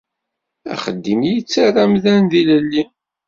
Axeddim yettarra amdan d ilelli.